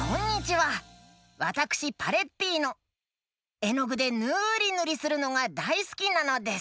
えのぐでぬりぬりするのがだいすきなのです。